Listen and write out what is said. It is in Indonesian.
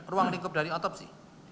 ruang lingkup dari otopsi